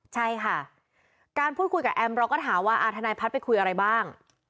ใช่ค่ะการพูดคุยกับแอมเราก็ถามว่าทนายพัฒน์ไปคุยอะไรบ้าง